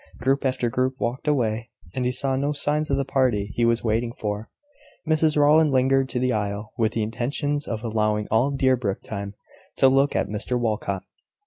Group after group walked away, and he saw no signs of the party he was waiting for. Mrs Rowland lingered in the aisle, with the intention of allowing all Deerbrook time to look at Mr Walcot.